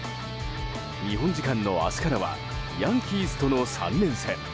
日本時間の明日からはヤンキースとの３連戦。